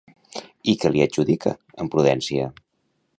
I què li adjudica, amb prudència?